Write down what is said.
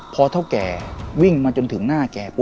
พอเท่าแกวิ่งถึงถึงหน้าแก